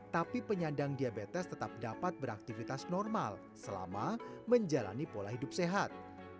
tapi penyandang diabetes tetap dapat beraktivitas normal selama menjalani pola hidup sehat